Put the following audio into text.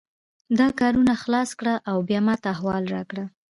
دا کارونه خلاص کړه او بیا ماته احوال راکړه